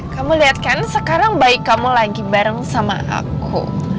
kamu lihat kan sekarang baik kamu lagi bareng sama aku